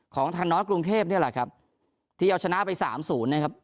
ของทางนอสกรุงเทพนี่แหละครับที่เอาชนะไปสามศูนย์นะครับ